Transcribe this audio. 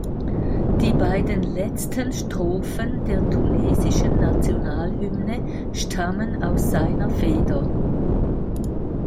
Die beiden letzten Strophen der tunesischen Nationalhymne stammen aus seiner Feder.